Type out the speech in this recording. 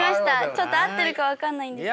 ちょっと合ってるか分かんないんですけど。